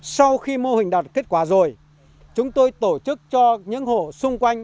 sau khi mô hình đạt kết quả rồi chúng tôi tổ chức cho những hộ xung quanh